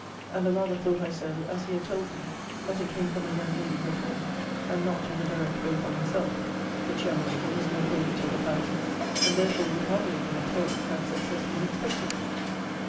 And the rather thought I so, as he had told me, that it came from a young lady her friend, and not in a direct way from herself; which young lady was no favourite of the family; and therefore would hardly have been employed, had success been expected.'